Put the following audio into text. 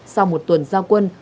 sau một tuần giao quân